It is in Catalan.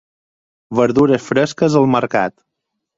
Verdures fresques al mercat.